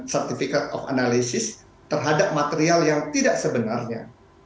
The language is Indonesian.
certifikat of analysis terhadap material yang tidak sebenarnya